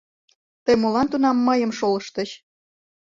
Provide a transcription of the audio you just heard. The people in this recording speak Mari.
Тый молан тунам мыйым шолыштыч?